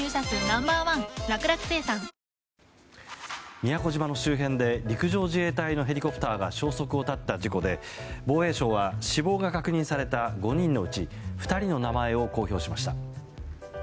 宮古島の周辺で陸上自衛隊のヘリコプターが消息を絶った事故で防衛省は死亡が確認された５人のうち２人の名前を公表しました。